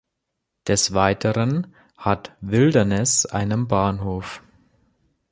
Des Weiteren hat Wilderness einen Bahnhof.